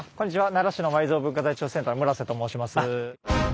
奈良市の埋蔵文化財調査センター村と申します。